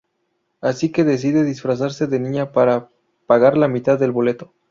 Así que decide disfrazarse de niña para pagar la mitad del boleto.